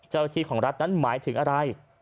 เจ้าหน้าที่ของรัฐนั้นหมายถึงอะไร